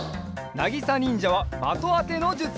なぎさにんじゃはまとあてのじゅつ。